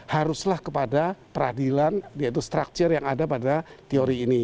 haruslah kepada peradilan yaitu structure yang ada pada teori ini